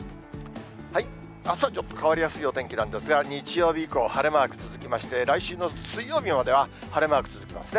あすはちょっと変わりやすいお天気なんですが、日曜日以降、晴れマーク続きまして、来週の水曜日までは晴れマーク続きますね。